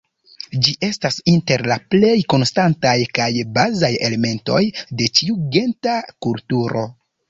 Ĝi estas inter la plej konstantaj kaj bazaj elementoj de ĉiu genta kulturo.